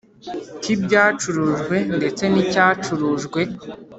k’ibyacurujwe ndetse nicya curujwe.